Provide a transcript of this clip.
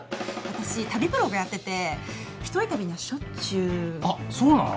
私旅ブログやってて一人旅にはしょっちゅうあっそうなの？